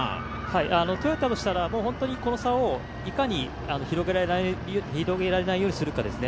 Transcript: トヨタとしたら本当にこの差をいかに広げられないようにするかですね。